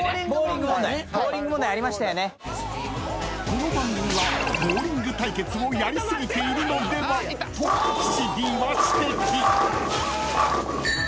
［この番組はボウリング対決をやり過ぎているのでは？と岸Ｄは指摘］